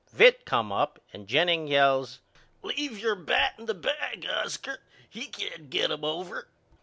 Vitt come up and Jennings yells Leave your bat in the bag Osker. He can't get them over.